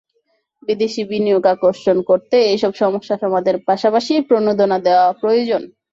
বিদেশি বিনিয়োগ আকর্ষণ করতে এসব সমস্যা সমাধানের পাশাপাশি প্রণোদনা দেওয়া প্রয়োজন।